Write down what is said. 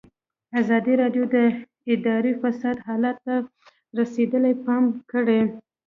ازادي راډیو د اداري فساد حالت ته رسېدلي پام کړی.